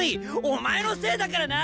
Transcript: お前のせいだからな！